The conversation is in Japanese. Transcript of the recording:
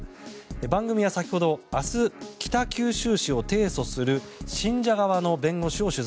番組は先ほど明日、北九州市を提訴する信者側の弁護士を取材。